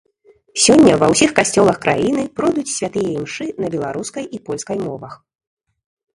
Сёння ва ўсіх касцёлах краіны пройдуць святыя імшы на беларускай і польскай мовах.